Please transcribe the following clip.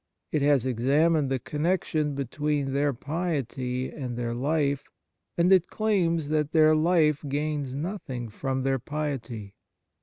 It has examined the connection between their piety and their life, and it claims that their life gains nothing from their piety.